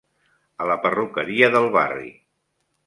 A la perruqueria del barri.